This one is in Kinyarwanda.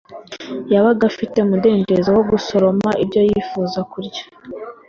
yabaga afite umudendezo wo gusoroma ibyo yifuza kurya